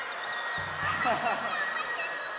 おまつりおまつり！